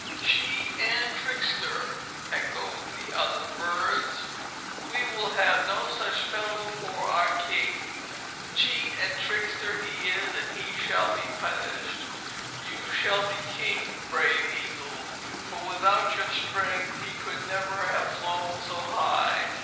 "Cheat and trickster!" echoed the other birds. "We will have no such fellow for our king. Cheat and trickster he is, and he shall be punished. You shall be king, brave Eagle, for without your strength he could never have flown so high.